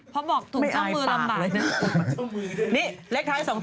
เพราะบอกถุงข้างมือลำบากเลย